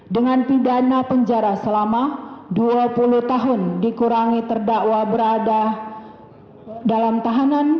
dengan pidana penjara selama dua puluh tahun dikurangi terdakwa berada dalam tahanan